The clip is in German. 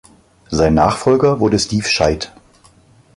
Sein Nachfolger wurde Steve Scheid.